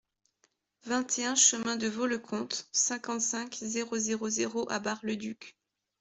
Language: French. vingt et un chemin de Vaux le Comte, cinquante-cinq, zéro zéro zéro à Bar-le-Duc